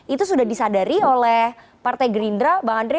itu sudah disadari oleh partai gerindra bang andre